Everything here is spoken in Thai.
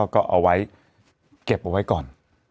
ก็เอาไว้เก็บเอาไว้ก่อน